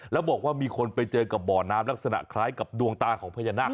แล้วบอกว่ามีคนไปเจอกับบ่อน้ำลักษณะคล้ายกับดวงตาของพญานาค